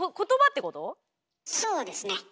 そうですね。